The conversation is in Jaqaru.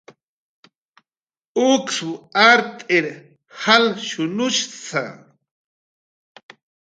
Uksw art'ir jalshunushsa